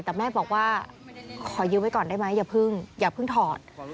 แต่แม่บอกว่าขอยื้อไว้ก่อนได้ไหมอย่าเพิ่งอย่าเพิ่งถอด